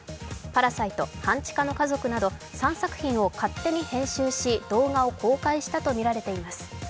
「パラサイト半地下の家族」など３作品を勝手に編集し、動画を公開したとみられています。